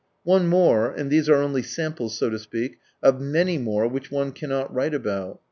One more — and these are only samples, so to speak, of many more which one cannot write about.